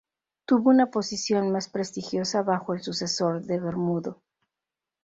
Tuvo una posición más prestigiosa bajo el sucesor de Bermudo.